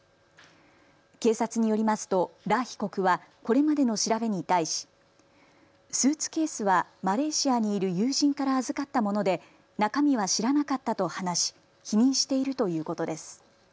警察によりますと羅被告はこれまでの調べに対しスーツケースはマレーシアにいる友人から預かったもので中身は知らなかったと話し否認しているということです。